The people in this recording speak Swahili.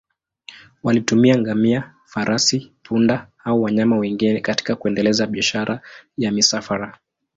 Walitumia ngamia, farasi, punda au wanyama wengine katika kuendeleza biashara ya misafara.